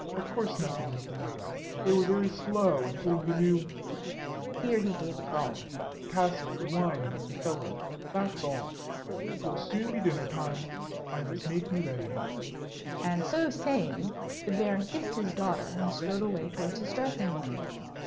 "Of course, nothing is the matter. They were very slow in putting the new" (here he gave a gulp) "casks of wine into the cellar; that's all. 'Twill soon be dinner time. I must make me ready." And so saying, the Baron kissed his daughter and strode away towards his dressing room.